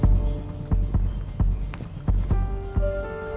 gak tau udah tekan lagi kecil